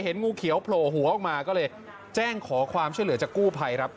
งูเขียวโผล่หัวออกมาก็เลยแจ้งขอความช่วยเหลือจากกู้ภัยครับ